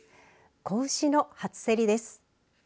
子牛の初競りです。